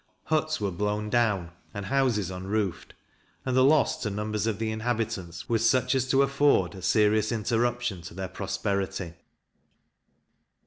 Huts were blown down and houses unroofed, and the loss to numbers of the inhabitants was such as to afford a serious interruption to their prosperity.